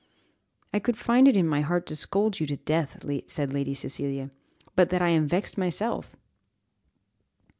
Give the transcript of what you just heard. "I could find it in my heart to scold you to death," said Lady Cecilia, "but that I am vexed myself."